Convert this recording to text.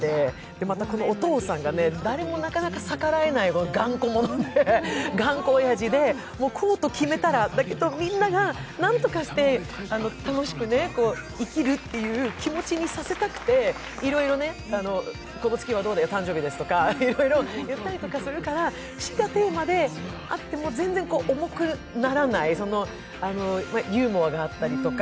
またお父さんが、誰もなかなか逆らえない頑固おやじで、こうと決めたらなんだけど、でもみんながなんとかして、楽しく生きるっていう気持ちにさせたくていろいろ、この月は誕生日だよとか言うんだけど、死がテーマであっても全然重くならない、ユーモアがあったりとか。